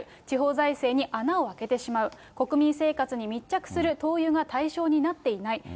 地方財政に穴を開けてしまう、国民生活に密着する灯油が対象になっていない。